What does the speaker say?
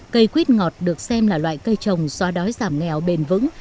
cây quýt ngọt được xem là loại cây trồng xóa đói giảm nghèo bền vững